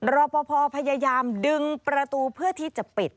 รอปภพยายามดึงประตูเพื่อที่จะปิด